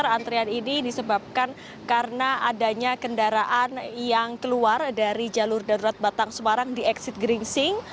antrian ini disebabkan karena adanya kendaraan yang keluar dari jalur darurat batang semarang di eksit geringsing